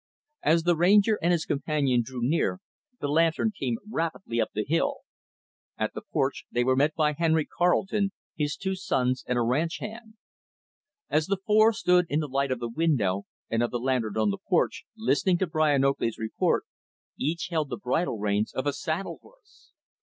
As the Ranger and his companion drew near, the lantern came rapidly up the hill. At the porch, they were met by Henry Carleton, his two sons, and a ranch hand. As the four stood in the light of the window, and of the lantern on the porch, listening to Brian Oakley's report, each held the bridle reins of a saddle horse.